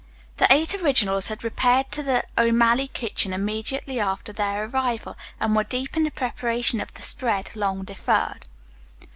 The eight originals had repaired to the O'Malley kitchen immediately after their arrival, and were deep in the preparation of the spread, long deferred.